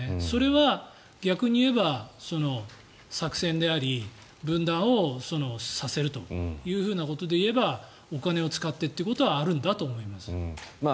それは逆に言えば、作戦であり分断をさせるということでいえばお金を使ってということはあるんだと思います。